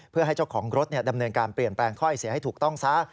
เพื่อให้เจ้าของรถดำเนินการเปลี่ยนแปลงถ้อยเสียให้ถูกต้องซะ